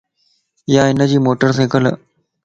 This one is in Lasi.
يا ھنجي موٽي سيڪلَ